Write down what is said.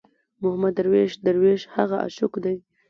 محمود درویش، درویش هغه عاشق دی.